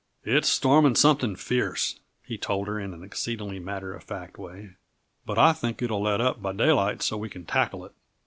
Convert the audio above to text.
"It's storming something fierce," he told her in an exceedingly matter of fact way, "but I think it'll let up by daylight so we can tackle it.